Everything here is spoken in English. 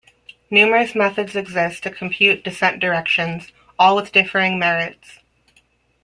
Numerous methods exist to compute descent directions, all with differing merits.